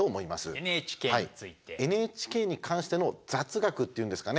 ＮＨＫに関しての雑学っていうんですかね？